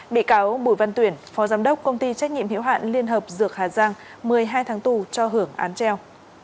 bị cáo bùi văn tuyển phó giám đốc công ty trách nhiệm hiệu hạn liên hợp dược hà giang một mươi hai tháng tù cho hưởng án treo